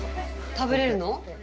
食べれるの？